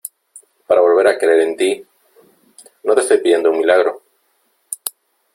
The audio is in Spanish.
para volver a creer en ti . no te estoy pidiendo un milagro ,